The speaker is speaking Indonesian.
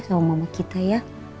sama bapak kita ya